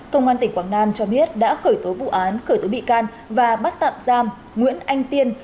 công an tỉnh quảng nam cho biết đã khởi tố vụ án khởi tố bị can và bắt tạm giam nguyễn anh tiên